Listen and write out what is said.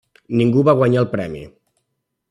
Ningú va guanyar el premi.